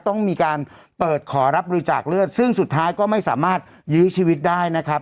ต้องมีการเปิดขอรับบริจาคเลือดซึ่งสุดท้ายก็ไม่สามารถยื้อชีวิตได้นะครับ